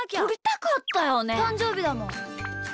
たんじょうびだもん。